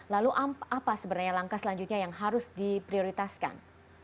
lalu apa sebenarnya langkah selanjutnya yang harus diprioritaskan